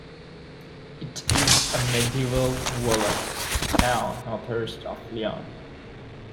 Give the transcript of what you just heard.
It is a medieval walled town northeast of Lyon.